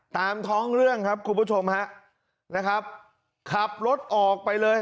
ตามท้องเรื่องครับคุณผู้ชมฮะนะครับขับรถออกไปเลย